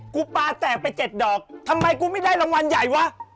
ปลาแตกไปเจ็ดดอกทำไมกูไม่ได้รางวัลใหญ่วะ